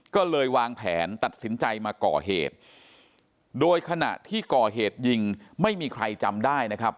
ก็เลยวางแผนตัดสินใจมาก่อเหตุโดยขณะที่ก่อเหตุยิงไม่มีใครจำได้นะครับ